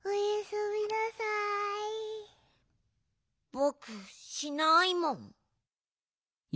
ぼくしないもん。